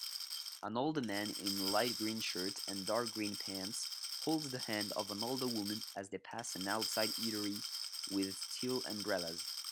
An older man in a light green shirt and dark green pants holds the hand of an older woman as they pass an outside eatery with teal umbrellas